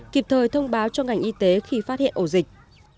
kịp thời thông báo cho ngành y tế khi phát hiện ổ dịch